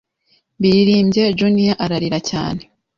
mbiririmbye Junior ararira cyane